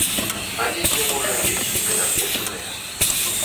А недзе, можа, дзеці і не дагледжаныя.